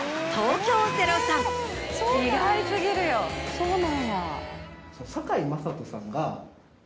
そうなんや。